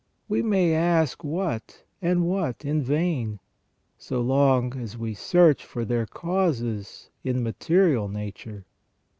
We may ask what, and what, in vain, so long as we search for their causes in material nature.